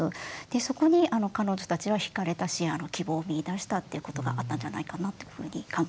そこに彼女たちは惹かれたし希望を見いだしたっていうことがあったんじゃないかなというふうに考えてます。